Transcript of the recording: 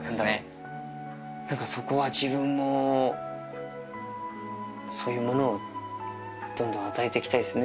なんかそこは自分もそういうものをどんどん与えていきたいですね。